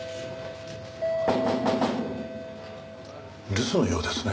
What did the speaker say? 留守のようですね。